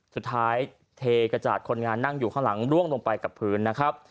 เทกระจาดคนงานนั่งอยู่ข้างหลังร่วงลงไปกับพื้นนะครับ